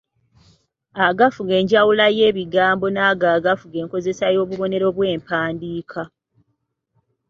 Agafuga enjawula y’ebigambo n’ago agafuga enkozesa y’obubonero bw’empandiika.